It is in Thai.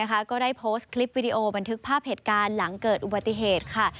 ก็ได้โพสต์คลิปวิดีโอบันทึกภาพเหตุการณ์หลังเกิดอุบัติเหตุค่ะ